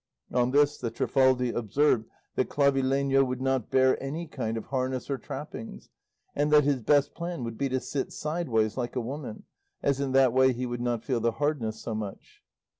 On this the Trifaldi observed that Clavileño would not bear any kind of harness or trappings, and that his best plan would be to sit sideways like a woman, as in that way he would not feel the hardness so much.